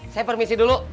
saya permisi dulu